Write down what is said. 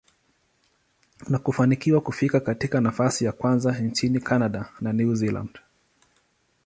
na kufanikiwa kufika katika nafasi ya kwanza nchini Canada na New Zealand.